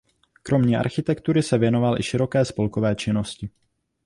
Kromě architektury se věnoval i široké spolkové činnosti.